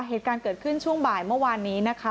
เหตุการณ์เกิดขึ้นช่วงบ่ายเมื่อวานนี้นะคะ